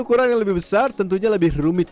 ukuran yang lebih besar tentunya lebih rumit